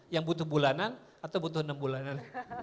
yang butuh bulanan atau butuh enam bulanan